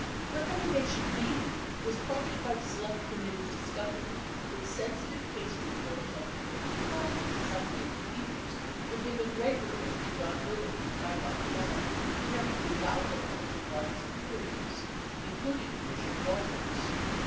Recommendation (b) was prompted by the Select Committee's dis covery that sensitive case reports on people involved in some way with Hughes were given regularly to John Ehrlichman by Roger Barth, apparently without the knowledge of Barth's superiors, includ ing Commissioner Walters.